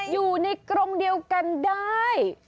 อยู่ในกรงเดียวกันได้